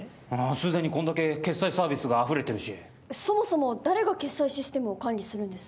すでにこんだけ決済サービスがあふれてるしそもそも誰が決済システムを管理するんです？